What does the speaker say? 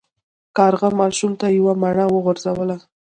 کارغه ماشوم ته یوه مڼه وغورځوله.